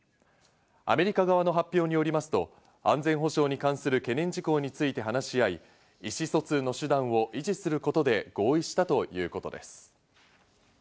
アメリカ側の発表によりますと安全保障に関する懸念事項について話し合い、意思疎通の手段を維持することで合意したということです。